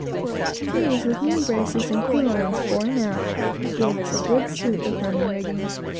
These, with new braces and clew lines, fore and aft, gave us a good suit of running rigging.